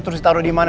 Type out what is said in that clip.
terus ditaruh dimana